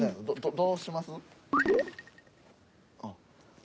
どうします？あっ。